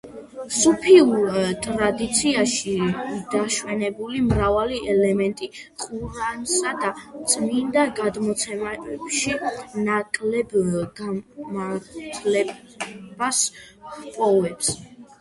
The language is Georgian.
სუფიურ ტრადიციაში დაშვებული მრავალი ელემენტი ყურანსა და წმინდა გადმოცემებში ნაკლებ „გამართლებას“ ჰპოვებს.